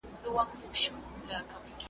خو باید وي له رمې لیري ساتلی ,